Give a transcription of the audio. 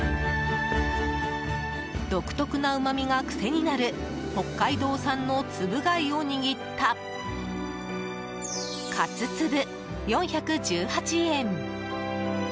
独特なうまみが癖になる北海道産のつぶ貝を握った活つぶ、４１８円。